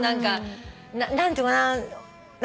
何ていうのかな。